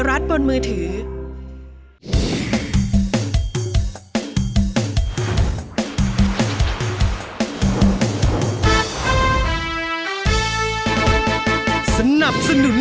ร้องได้ให้ล้าน